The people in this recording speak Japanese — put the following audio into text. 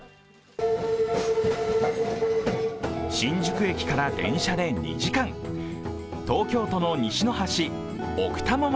新宿駅から電車で２時間、東京都の西の端、奥多摩町。